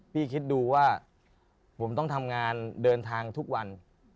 คิดดูว่าผมต้องทำงานเดินทางทุกวัน